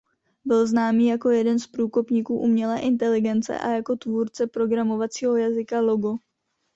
Byl známý jako jeden z průkopníků umělé inteligence a jako tvůrce programovacího jazyka Logo.